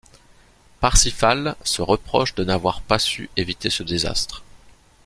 Parsifal se reproche de n'avoir pas su éviter ce désastre.